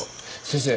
先生